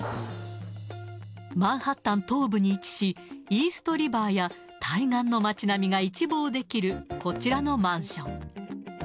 マンハッタン東部に位置し、イーストリバーや対岸の街並みが一望できるこちらのマンション。